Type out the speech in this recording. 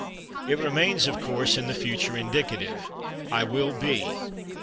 It remains, of course, in the future indicative: "I will /be